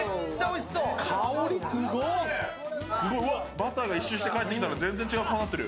バターが１周して帰ってきたら全然ちがくなってる。